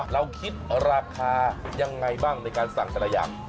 เราคิดราคายังไงบ้างในการสั่งแต่ละอย่าง